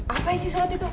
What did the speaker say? apa sih surat itu